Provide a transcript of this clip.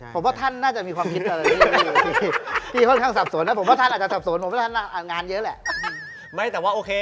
ผมว่าท่านน่าจะมีความคิดอะไรดี